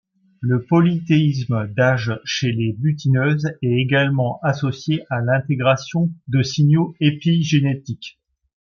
Le polyéthisme d'âge chez les butineuses est également associé à l'intégration de signaux épigénétiques.